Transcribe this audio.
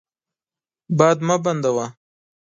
باد مه بندوه.